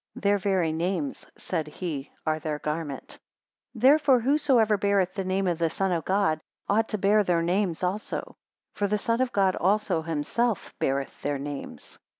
Their very names, said he, are their garment. 124 Therefore whosoever beareth the name of the Son of God, ought to bear their names also; for the Son of God also himself beareth their names.